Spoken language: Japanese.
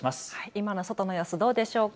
今の外の様子どうでしょうか。